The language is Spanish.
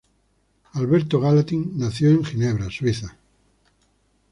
Albert Gallatin nació en Ginebra, Suiza.